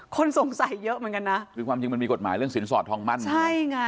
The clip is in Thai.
คนสงสัยเยอะเหมือนกันน่ะมีกฎหมายศิลป์สอดทองมั่น